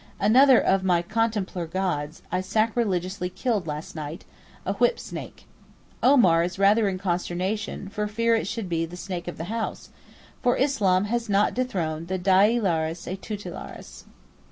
Another of my contemplar gods I sacrilegiously killed last night, a whip snake. Omar is rather in consternation for fear it should be 'the snake of the house,' for Islam has not dethroned the Dii lares et tutelares.